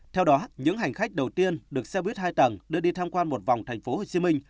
theo đó những hành khách đầu tiên được xe buýt hai tầng đưa đi tham quan một vòng tp hcm